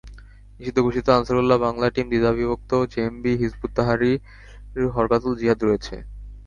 নিষিদ্ধঘোষিত Ansarullah Bangla team দ্বিধাবিভক্ত, JMB, Hizbut Tahrir, Harkatul Jihad রয়েছে।